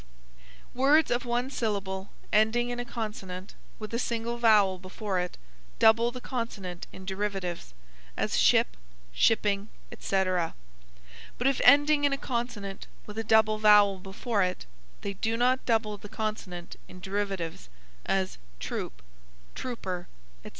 Words of one syllable, ending in a consonant; with a single vowel before it, double the consonant in derivatives; as, ship, shipping, etc. But if ending in a consonant with a double vowel before it, they do not double the consonant in derivatives; as troop, trooper, etc.